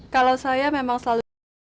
kalau saya memang selalu